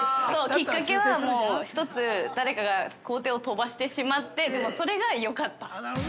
きっかけは１つ誰かが工程を飛ばしてしまって、でも、それがよかった。